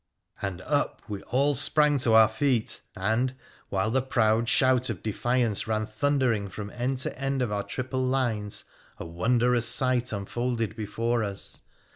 ' And up we all sprang to our feet, and, while the proud ■shout of defiance ran thundering from end to end of our triple lines, a wondrous sight unfolded before its.